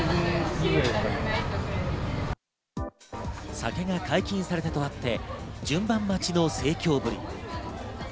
酒が解禁されたとあって順番待ちの盛況ぶり。